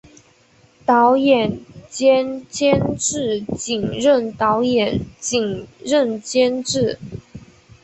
导演兼监制仅任导演仅任监制